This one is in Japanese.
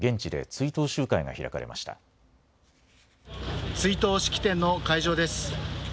追悼式典の会場です。